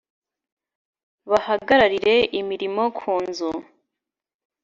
bahagararire imirimo ku nzu